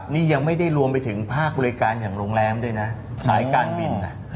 นี่ยังไม่ได้รวมไปถึงภาคบริการอย่างโรงแรมด้วยนะสายการบิน